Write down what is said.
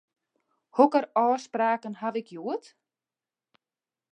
Hokker ôfspraken haw ik hjoed?